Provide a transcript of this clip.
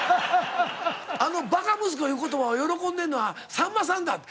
あの「バカ息子」いう言葉を喜んでるのはさんまさんだって。